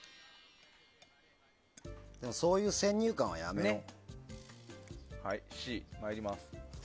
でもそういう先入観はやめよう。